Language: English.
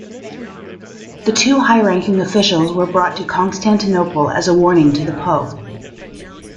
The two high-ranking officials were brought to Constantinople as a warning to the pope.